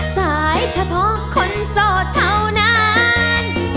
โดยเฉพาะคนโสดเท่านั้น